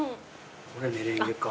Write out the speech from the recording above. これメレンゲか。